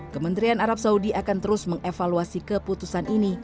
kementerian arab saudi akan terus mengevaluasi keputusan ini